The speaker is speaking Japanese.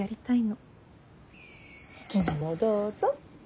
好きなのどうぞ。